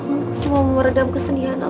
aku cuma mau meredam kesedihan aku